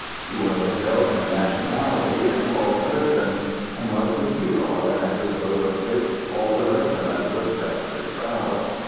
He was of Belgian nationality, and called Mertens, and was the hero of an episode of which all the regiment was justly proud.